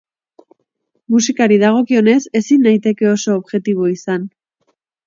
Musikari dagokionez, ezin naiteke oso objetibo izan.